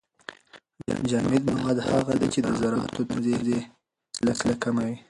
جامد مواد هغه دي چي د زراتو ترمنځ يې فاصله کمه وي.